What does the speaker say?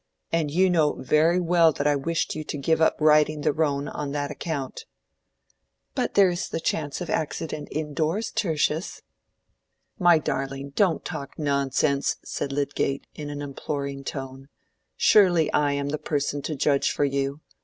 And you know very well that I wished you to give up riding the roan on that account." "But there is the chance of accident indoors, Tertius." "My darling, don't talk nonsense," said Lydgate, in an imploring tone; "surely I am the person to judge for you.